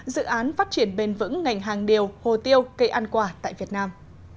dự án phát triển bền vững ngành hàng điều hồ tiêu cây ăn quả tại việt nam